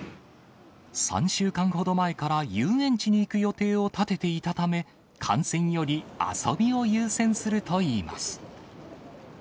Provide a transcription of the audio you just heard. ３週間ほど前から遊園地に行く予定を立てていたため、観戦より遊びを優先するといいます。